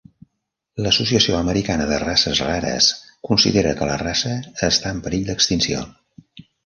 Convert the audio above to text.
L'Associació Americana de Races Rares considera que la raça està en perill d'extinció.